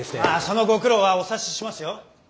まあそのご苦労はお察ししますよ。